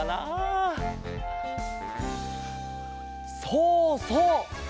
そうそう。